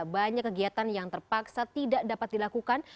banyak kegiatan yang terpaksa tidak dapat dilakukan